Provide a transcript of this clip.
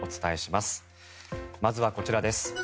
まずはこちらです。